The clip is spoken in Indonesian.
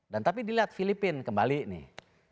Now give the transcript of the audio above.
dan tapi dilihat filipina kembali nih